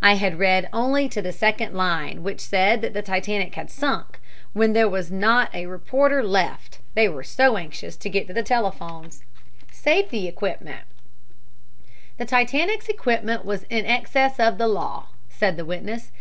I had read only to the second line, which said that the Titanic had sunk, when there was not a reporter left they were so anxious to get to the telephones. SAFETY EQUIPMENT "The Titanic's equipment was in excess of the law," said the witness.